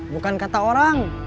bukan kata orang